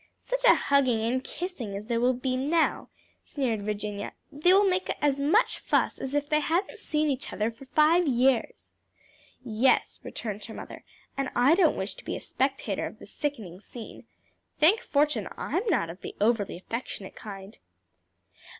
"Such a hugging and kissing as there will be now!" sneered Virginia; "they will make as much fuss as if they hadn't seen each other for five years." "Yes," returned her mother, "and I don't wish to be a spectator of the sickening scene. Thank fortune I'm not of the overly affectionate kind."